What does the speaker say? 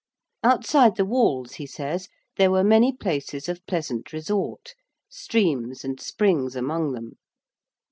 Outside the walls, he says, there were many places of pleasant resort, streams and springs among them.